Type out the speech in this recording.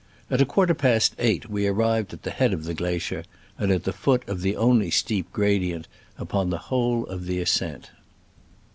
At a quarter past eight we arrived at the head of the glacier, and at the foot of the only steep gradient upon the whole of the ascent.